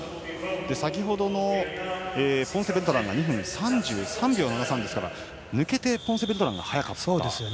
先ほどのポンセベルトランが２分３３秒７３なので抜けてポンセベルトランが速かった。